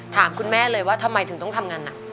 ถามคุณแม่เลยว่าทำไมถึงต้องทำงานหนัก